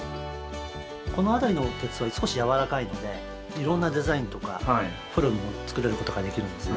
この辺りの鉄は少しやわらかいのでいろんなデザインとかフォルムを作れることができるんですね。